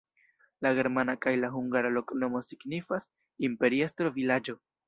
La germana kaj la hungara loknomo signifas: imperiestro-vilaĝo.